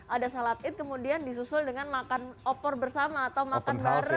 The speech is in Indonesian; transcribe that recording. ada salat id kemudian disusul dengan makan opor bersama atau makan bareng